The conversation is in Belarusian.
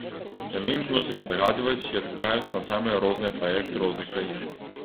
Яны імкнуцца не загадваць і адгукаюцца на самыя розныя праекты розных краін.